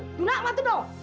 ibu nggak mau tahu dong